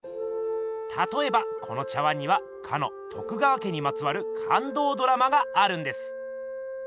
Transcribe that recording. たとえばこの茶碗にはかの徳川家にまつわる感動ドラマがあるんです。